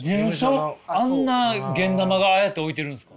あんなゲンナマがああやって置いてるんですか？